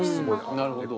なるほど。